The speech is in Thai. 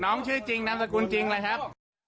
ชื่อจริงนามสกุลจริงเลยครับ